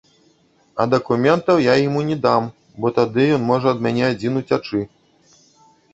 А дакументаў я яму не дам, бо тады ён можа ад мяне адзін уцячы.